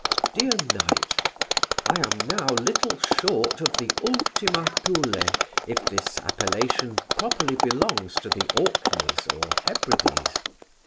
DEAR KNIGHT, I am now little short of the Ultima Thule, if this appellation properly belongs to the Orkneys or Hebrides.